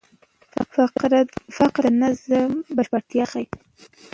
فقره د نظر بشپړتیا ښيي.